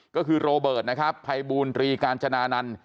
ก็คือโรเบิร์ตไพบูนตรีกาญจนานันท์